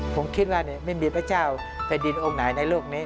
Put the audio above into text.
ผมคิดว่าไม่มีพระเจ้าแผ่นดินองค์ไหนในโลกนี้